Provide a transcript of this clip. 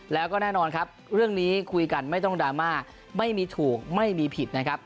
แล้วก็แน่นอนครับเรื่องนี้คุยกันไม่ต้องดราม่าไม่มีถูกไม่มีผิดนะครับ